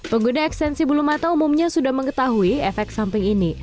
pengguna ekstensi bulu mata umumnya sudah mengetahui efek samping ini